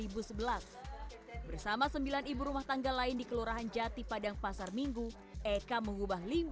bersama sembilan ibu rumah tangga lain di kelurahan jati padang pasar minggu eka mengubah